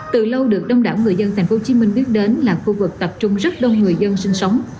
từ lâu được đông đảo người dân tp hcm biết đến là khu vực tập trung rất đông người dân sinh sống